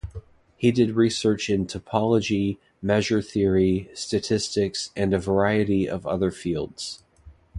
He did research in topology, measure theory, statistics, and a variety of other fields.